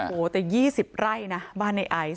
โอ้โหแต่๒๐ไร่นะบ้านในไอซ